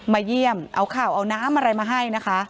มาเยี่ยมเอาข่าวเอาน้ำอะไรมาให้